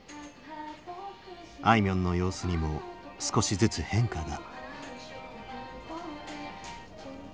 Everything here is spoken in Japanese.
あいみょんの様子にも少しずつ変化が。